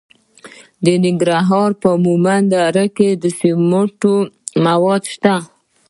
د ننګرهار په مومند دره کې د سمنټو مواد شته.